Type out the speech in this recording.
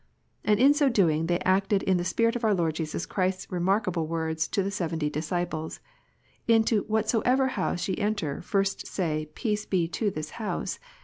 And in so doing they acted in the spirit of our Lord Jesus Christ s remarkable words to the seventy disciples, " Into whatsoever house ye enter, first say, Peace be to this house.